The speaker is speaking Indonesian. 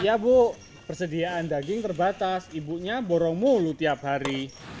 ya bu persediaan daging terbatas ibunya borong mulu tiap hari